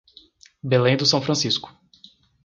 Belém do São Francisco